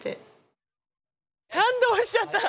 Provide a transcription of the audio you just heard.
感動しちゃった！